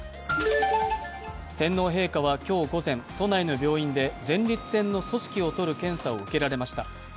天皇陛下は今日午前、都内の病院で前立腺の組織をとる検査を受けられました。